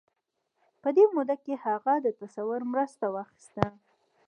په دې موده کې هغه د تصور مرسته واخيسته.